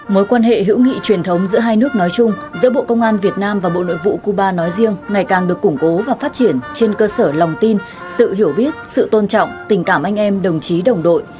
mối quan hệ hữu nghị truyền thống giữa hai nước nói chung giữa bộ công an việt nam và bộ nội vụ cuba nói riêng ngày càng được củng cố và phát triển trên cơ sở lòng tin sự hiểu biết sự tôn trọng tình cảm anh em đồng chí đồng đội